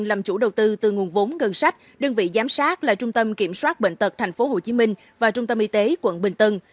làm chủ đầu tư từ nguồn vốn ngân sách đơn vị giám sát là trung tâm kiểm soát bệnh tật tp hcm và trung tâm y tế quận bình tân